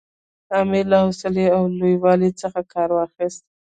امیر له حوصلې او لوی والي څخه کار واخیست.